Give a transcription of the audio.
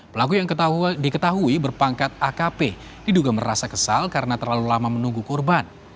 pelaku yang diketahui berpangkat akp diduga merasa kesal karena terlalu lama menunggu korban